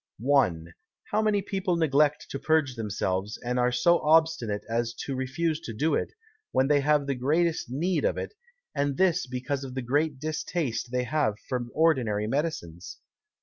1. How many People neglect to purge themselves, and are so obstinate as to refuse to do it, when they have the greatest need of it, and this because of the great Distaste they have for ordinary Medicines?